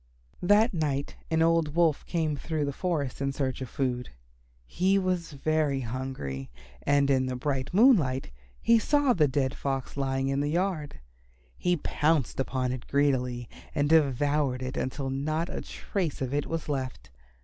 That night an old Wolf came through the forest in search of food. He was very hungry, and in the bright moonlight he saw the dead Fox lying in the yard. He pounced upon it greedily and devoured it until not a trace of it was left.